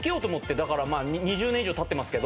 だからまあ２０年以上たってますけど。